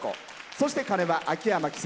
そして鐘は秋山気清。